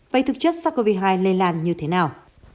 vậy thực chất sars cov hai lây lan như thế nào